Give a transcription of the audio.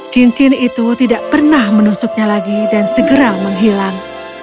cincin itu tidak pernah menusuknya lagi dan segera menghilang